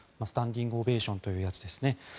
スタンディングオベーションというやつですね。